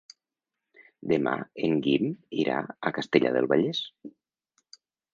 Demà en Guim irà a Castellar del Vallès.